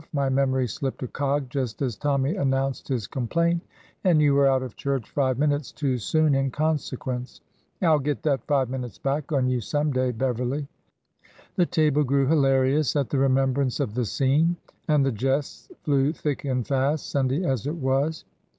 My memory slipped a cog just as Tommy announced his complaint, and you were out of church five minutes too soon in consequence. I 'll get that five minutes back on you some day, Beverly." The table grew hilarious at the remembrance of the scene, and the jests flew thick and fast, Sunday as it was.